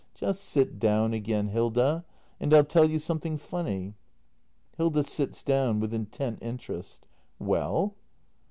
] Just sit down again, Hilda, and I'll tell you something funny. Hilda. [Sits down; with intent interest.] Well